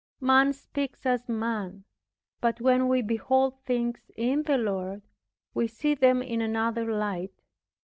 Man speaks as man; but when we behold things in the Lord, we see them in another light.